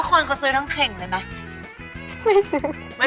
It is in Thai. แล้วคนเขาซื้อตั้งเค็งเลยมั้ย